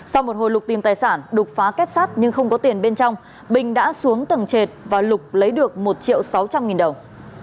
sau một hồi lục tìm tài sản đục phá kết sát nhưng không có tiền bên trong bình đã xuống tầng trệt và lục lấy được một triệu sáu trăm linh nghìn đồng